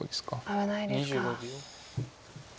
危ないですか。